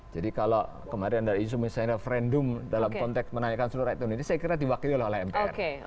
jadi kalau kemarin ada insumensi referendum dalam konteks menaikan seluruh rekturni ini saya kira diwakili oleh mpr